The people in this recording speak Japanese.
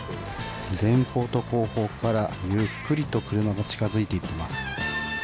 前方と後方からゆっくりと車が近づいていっています。